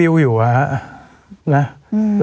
สวัสดีครับ